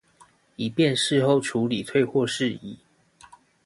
以便事後處理退貨事宜